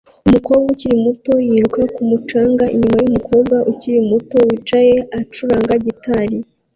Umukobwa ukiri muto yiruka ku mucanga inyuma yumukobwa ukiri muto wicaye acuranga gitari